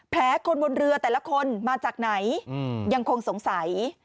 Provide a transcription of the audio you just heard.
คนบนเรือแต่ละคนมาจากไหนยังคงสงสัย